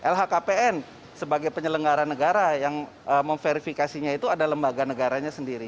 lhkpn sebagai penyelenggara negara yang memverifikasinya itu ada lembaga negaranya sendiri